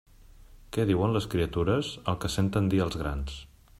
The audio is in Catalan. Què diuen les criatures? El que senten dir als grans.